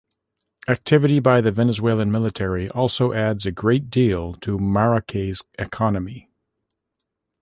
Activity by the Venezuelan Military also adds a great deal to Maracay's economy.